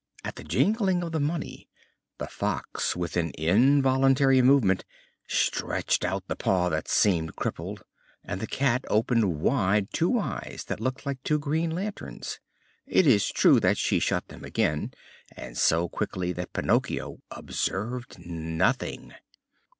At the jingling of the money the Fox, with an involuntary movement, stretched out the paw that seemed crippled, and the Cat opened wide two eyes that looked like two green lanterns. It is true that she shut them again, and so quickly that Pinocchio observed nothing.